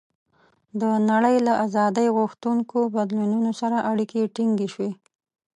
د نړۍ له آزادۍ غوښتونکو بدلونونو سره اړیکې ټینګې شوې.